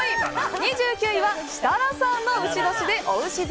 ２９位は、設楽さんの丑年でおうし座。